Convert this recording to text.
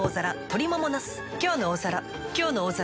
「きょうの大皿」